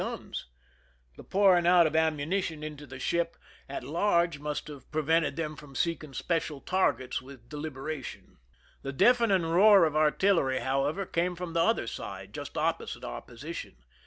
103 THE SINKINa OF THE "MERRIMAC" large must have prevented them from seeking spe cial targets with deliberation. The deafening roar of artillery, however, came from the other side, just opposite our position.